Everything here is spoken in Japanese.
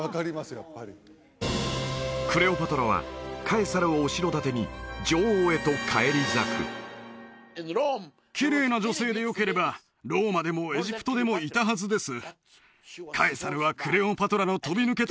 やっぱりクレオパトラはカエサルを後ろ盾に女王へと返り咲くきれいな女性でよければローマでもエジプトでもいたはずです